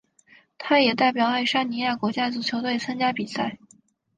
他也代表爱沙尼亚国家足球队参加比赛。